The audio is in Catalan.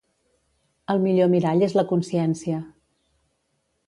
El millor mirall és la consciència.